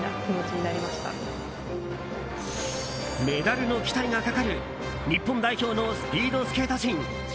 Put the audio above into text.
メダルの期待がかかる日本代表のスピードスケート陣。